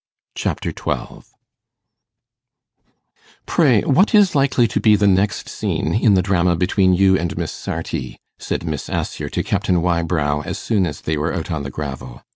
Chapter 12 'Pray, what is likely to be the next scene in the drama between you and Miss Sarti?' said Miss Assher to Captain Wybrow as soon as they were out on the gravel.